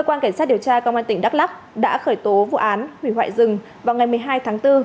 cơ quan cảnh sát điều tra công an tỉnh đắk lắc đã khởi tố vụ án hủy hoại rừng vào ngày một mươi hai tháng bốn